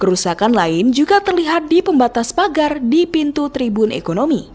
kerusakan lain juga terlihat di pembatas pagar di pintu tribun ekonomi